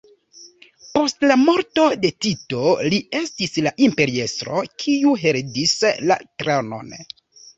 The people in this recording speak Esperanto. Post la morto de Tito li estis la imperiestro kiu heredis la tronon.